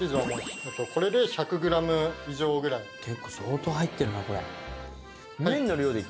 相当入ってるなこれ。